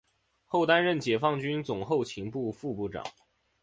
后担任解放军总后勤部副部长。